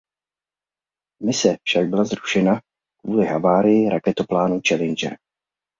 Mise však byla zrušena kvůli havárii raketoplánu Challenger.